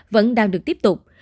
vẫn đang được tiếp tục